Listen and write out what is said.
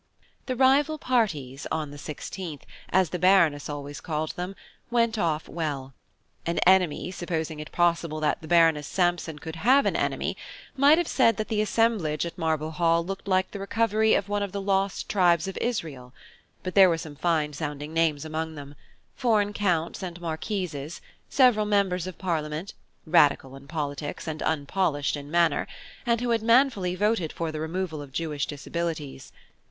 "The rival parties" on the 16th, as the Baroness always called them, went off well. An enemy, supposing it possible that the Baroness Sampson could have an enemy, might have said that the assemblage at Marble Hall looked like the recovery of one of the lost tribes of Israel; but there were some fine sounding names among them: foreign Counts and Marquises, several members of Parliament, radical in politics, and unpolished in manner, and who had manfully voted for the removal of Jewish disabilities.